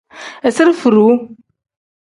Izire furuu.